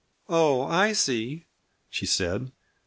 "Oh, I see," she said.